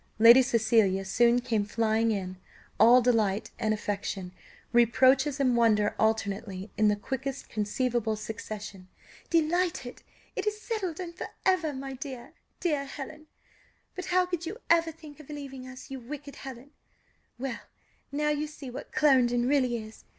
Lady Cecilia soon came flying in, all delight and affection, reproaches and wonder alternately, in the quickest conceivable succession. "Delighted, it is settled and for ever! my dear, dear Helen! But how could you ever think of leaving us, you wicked Helen! Well! now you see what Clarendon really is!